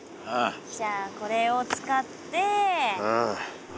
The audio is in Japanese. じゃあこれを使って。